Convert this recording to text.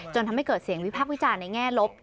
ทำให้เกิดเสียงวิพักษ์วิจารณ์ในแง่ลบ